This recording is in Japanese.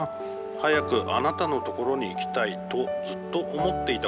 早くあなたのところにいきたいとずっと思っていた